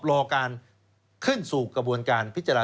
รอการขึ้นสู่กระบวนการพิจารณา